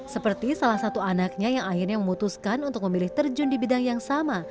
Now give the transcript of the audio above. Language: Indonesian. seperti salah satu anaknya yang akhirnya memutuskan untuk memilih terjun di bidang yang sama